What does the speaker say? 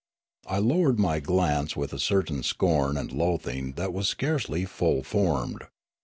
I lowered my glance with a certain scorn and loathing that was scarcely full formed.